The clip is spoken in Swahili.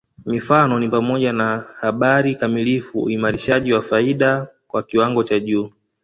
Mifano ni pamoja na habari kamilifu uimarishaji wa faida kwa kiwango cha juu